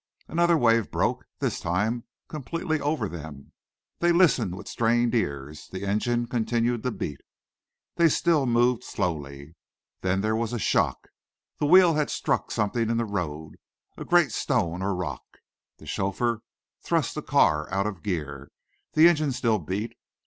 Another wave broke, this time completely over them. They listened with strained ears the engine continued to beat. They still moved slowly. Then there was a shock. The wheel had struck something in the road a great stone or rock. The chauffeur thrust the car out of gear. The engine still beat.